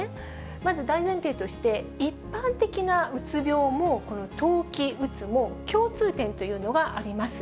まず大前提として、一般的なうつ病も、この冬季うつも共通点というのがあります。